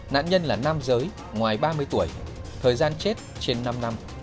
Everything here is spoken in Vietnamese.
nạn nhân là nam giới ngoài ba mươi tuổi thời gian chết trên năm năm